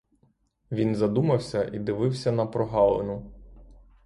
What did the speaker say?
Він задумався і дивився на прогалину.